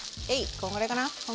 こんぐらいかな？